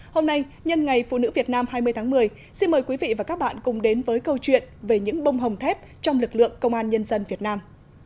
hôm nay nhân ngày phụ nữ việt nam hai mươi tháng một mươi xin mời quý vị và các bạn cùng đến với câu chuyện về những bông hồng thép trong lực lượng công an nhân dân việt nam